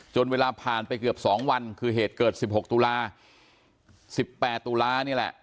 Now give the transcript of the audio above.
เวลาผ่านไปเกือบ๒วันคือเหตุเกิด๑๖ตุลา๑๘ตุลานี่แหละ